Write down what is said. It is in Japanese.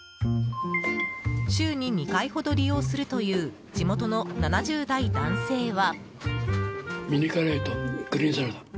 週に２回ほど利用するという地元の７０代男性は。